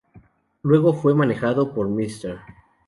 Luego fue manejado por Mr.